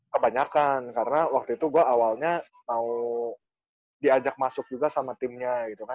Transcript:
kebanyakan karena waktu itu gue awalnya mau diajak masuk juga sama timnya